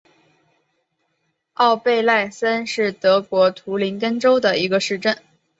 奥贝赖森是德国图林根州的一个市镇。